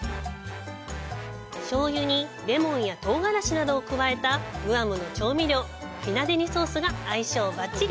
醤油にレモンや唐がらしなどを加えたグアムの調味料、フィナデニソースが相性ばっちり！